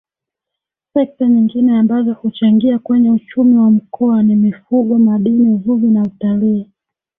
Sekta nyingine ambazo huchangia kwenye uchumi wa Mkoa ni Mifugo Madini Uvuvi na Utalii